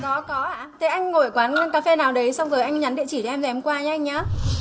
có có hả thế anh ngồi ở quán cà phê nào đấy xong rồi anh nhắn địa chỉ cho em rồi em qua nha anh nhá